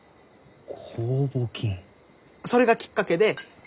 それがきっかけで。